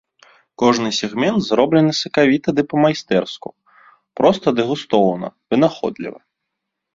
Кожны сегмент зроблены сакавіта ды па-майстэрску, проста ды густоўна, вынаходліва.